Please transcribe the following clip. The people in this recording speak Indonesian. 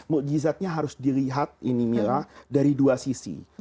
mukjizatnya harus dilihat dari dua sisi